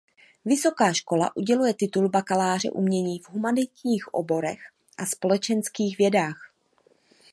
Vysoká škola uděluje titul bakaláře umění v humanitních oborech a společenských vědách.